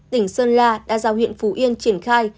tỉnh sơn la đã giao huyện phú yên triển khai